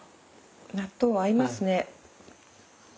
納豆合いますね。